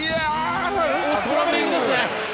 トラベリングですね。